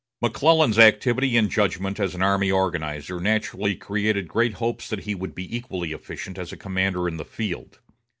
McClellan's activity and judgment as an army organizer naturally created great hopes that he would be equally efficient as a commander in the field.